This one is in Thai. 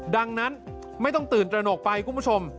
ดังนั้นไม่ต้องตื่นตระหนกไปคุณผู้ชม